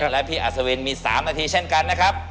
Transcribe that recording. และพี่อัศวินมี๓นาทีเช่นกันนะครับ